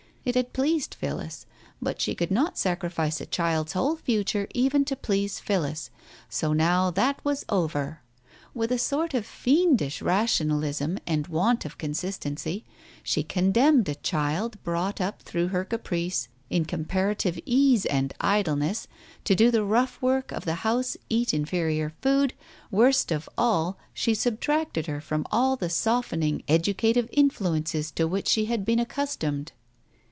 It had pleased Phillis, but she could not sacrifice a child's whole future even to please Phillis, so now that was over. With a sort of fiendish rationalism and want of consistency, she condemned a child brought up, through her caprice, in comparative ease and idleness, to do the rough work of the house, eat inferior food, worst of all, she subtracted her from all the softening educative influences to which she had been accustomed.